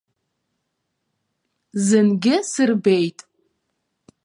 Зынгьы сырбеит.